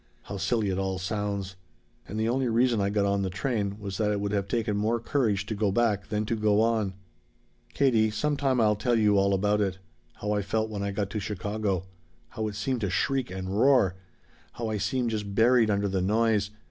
How silly it all sounds! "And the only reason I got on the train was that it would have taken more courage to go back than to go on. "Katie, some time I'll tell you all about it. How I felt when I got to Chicago. How it seemed to shriek and roar. How I seemed just buried under the noise.